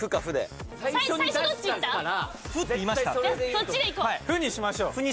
「フ」にしましょう。